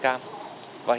sản xuất cây cam